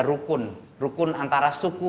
rukun rukun antara suku